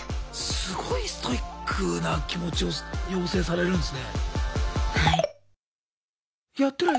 すごいストイックな気持ちを養成されるんですね。